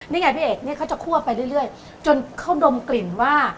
นี่ไงพี่เอกเนี่ยเขาจะคั่วไปเรื่อยจนเขาดมกลิ่นว่า